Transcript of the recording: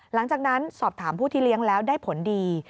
หลังจากนั้นสอบถามผู้ที่เลี้ยงแล้วได้ผลดี